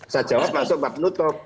saya jawab masuk pak penutup